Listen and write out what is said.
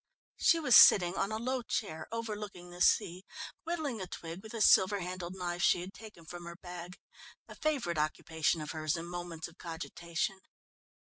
She was sitting on a low chair overlooking the sea, whittling a twig with a silver handled knife she had taken from her bag a favourite occupation of hers in moments of cogitation.